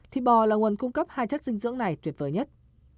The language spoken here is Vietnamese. thịt bò là nguồn cung cấp hai chất dinh dưỡng này tuyệt vời nhất